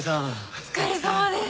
お疲れさまです。